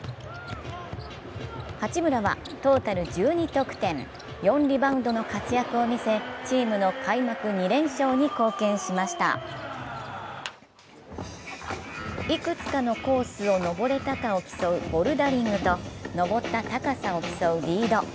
八村は、トータル１２得点４リバウンドの活躍を見せチームの開幕２連勝に貢献しましたいくつのコースを登れたかを競うボルダリングと登った高さを競うリード。